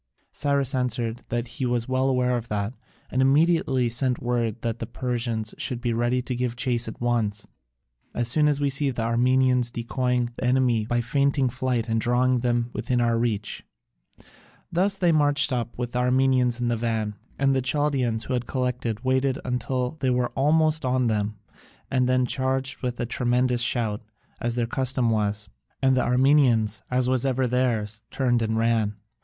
Cyrus answered that he was well aware of that, and immediately sent word that the Persians should be ready to give chase at once, "as soon as we see the Armenians decoying the enemy by feigning flight and drawing them within our reach." Thus they marched up with the Armenians in the van: and the Chaldaeans who had collected waited till they were almost on them, and then charged with a tremendous shout, as their custom was, and the Armenians, as was ever theirs, turned and ran.